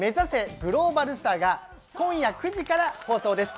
グローバルスター』が今夜９時から放送です。